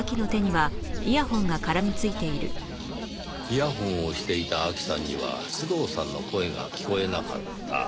イヤホンをしていた明希さんには須藤さんの声が聞こえなかった。